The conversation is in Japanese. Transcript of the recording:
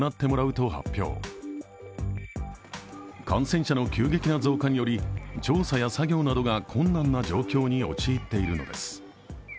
感染者の急激な増加により調査や作業などが困難な状況に陥っているのです。